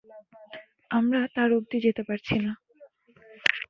আমরা তার অব্ধি যেতে পারছি না।